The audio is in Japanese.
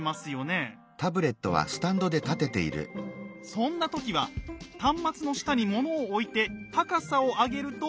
そんな時は端末の下に物を置いて高さを上げるといいんですよ。